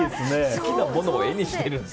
好きなものを絵にしていると。